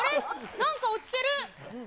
なんか落ちてる。